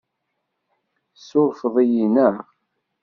Tessurfeḍ-iyi, naɣ?